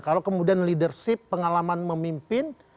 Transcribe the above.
kalau kemudian leadership pengalaman memimpin